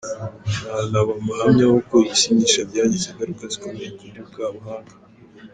Nanaba umuhamya w’uko ibisindisha byagize ingaruka zikomeye kuri bwa buhanga.